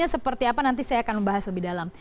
seperti apa nanti saya akan membahas lebih dalam